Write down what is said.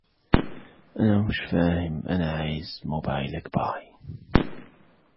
انا مش فاهم انا عايز موبيلك باي